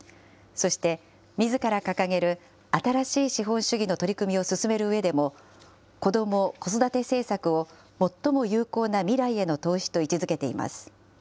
そして、みずから掲げる新しい資本主義の取り組みを進めるうえでも、子ども・子育て政策を最も有効な未来への投資と位置づけています。